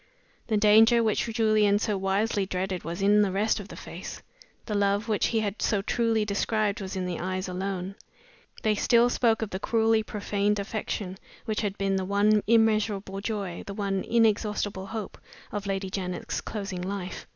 The danger which Julian so wisely dreaded was in the rest of the face; the love which he had so truly described was in the eyes alone. They still spoke of the cruelly profaned affection which had been the one immeasurable joy, the one inexhaustible hope of Lady Janet's closing life.